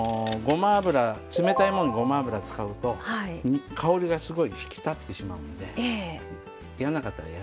冷たいものにごま油を使うと香りがすごい引き立ってしまうので嫌な方は嫌。